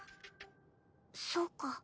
そうか。